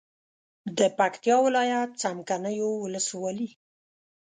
د پکتیا ولایت څمکنیو ولسوالي